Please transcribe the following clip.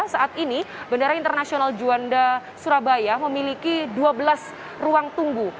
saat ini bandara internasional juanda surabaya memiliki dua belas ruang tunggu